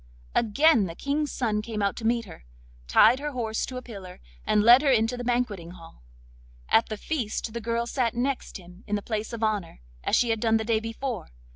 Again the King's son came out to meet her, tied her horse to a pillar, and led her into the banqueting hall. At the feast the girl sat next him in the place of honour, as she had done the day before.